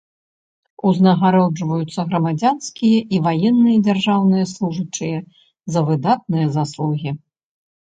Узнагароджваюцца грамадзянскія і ваенныя дзяржаўныя служачыя за выдатныя заслугі.